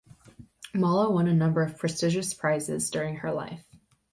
Mallo won a number of prestigious prizes during her life.